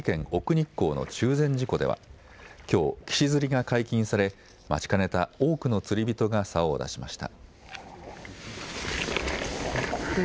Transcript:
日光の中禅寺湖ではきょう岸釣りが解禁され待ちかねた多くの釣り人がさおを出しました。